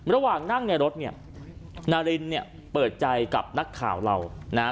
ระหว่างนั่งในรถเนี่ยนารินเนี่ยเปิดใจกับนักข่าวเรานะฮะ